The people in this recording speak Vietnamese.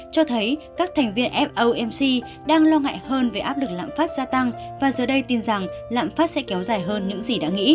cho thấy các thành viên fomc đang lo ngại hơn về áp lực lạm phát gia tăng và giờ đây tin rằng lạm phát sẽ kéo dài hơn những gì đã nghĩ